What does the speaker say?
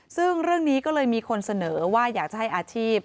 ซึ่งเรื่องนี้ก็เลยมีคนเสนอว่าอยากจะให้อาชีพ